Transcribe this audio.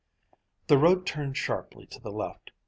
The road turned sharply to the left.